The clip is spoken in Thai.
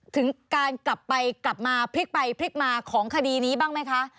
ถึงการกลับไปกลับมาพลิกไปพลิกมาของคดีนี้บ้างไหมคะ